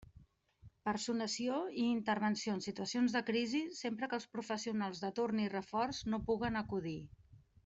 Personació i intervenció en situacions de crisi sempre que els professionals de torn i reforç no puguen acudir.